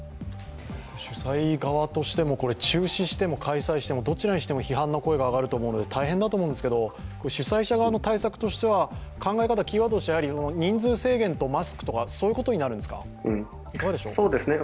主催側としても中止しても開催してもどちらにしても批判の声が上がると思うので、大変だと思いますが主催者側の対策としては考え方、キーワードとしては人数制限とマスクとか、そういうことになるんですか？